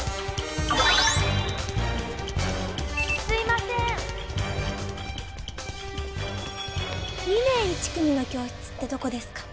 すいませーん２年１組の教室ってどこですか？